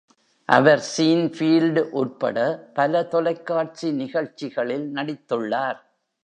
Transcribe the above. அவர் "Seinfeld" உட்பட பல தொலைக்காட்சி நிகழ்ச்சிகளில் நடித்துள்ளார்.